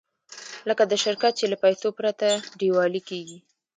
لکه د شرکت چې له پیسو پرته ډیوالي کېږي.